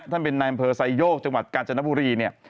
ท่านเป็นนายอำเภอไซโยกจังหวัดกาญจนบุรีเนี่ย